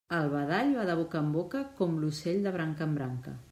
El badall va de boca en boca com l'ocell de branca en branca.